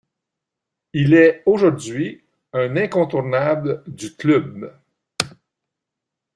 Il est aujourd'hui un incontournable du club.